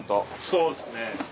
そうですね。